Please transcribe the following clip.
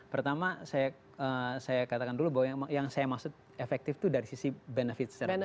pertama saya katakan dulu bahwa yang saya maksud efektif itu dari sisi benefit secara ekonomi